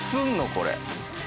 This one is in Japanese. これ。